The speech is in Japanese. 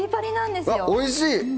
おいしい！